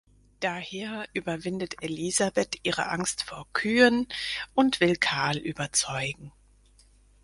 Daher überwindet Elisabeth ihre Angst vor Kühen und will Karl überzeugen.